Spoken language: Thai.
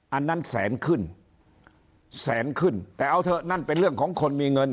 อันนั้นแสนขึ้นแสนขึ้นแต่เอาเถอะนั่นเป็นเรื่องของคนมีเงิน